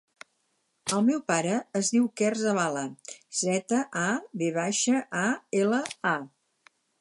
El meu pare es diu Quer Zavala: zeta, a, ve baixa, a, ela, a.